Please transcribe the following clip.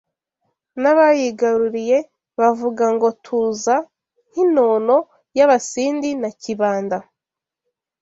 n’abayigaruriye bavuga ngo tuza… nk’inono y’Abasindi na Kibanda”